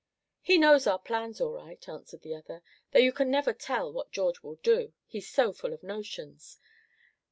"He knows our plans all right," answered the other, "though you can never tell what George will do, he's so full of notions.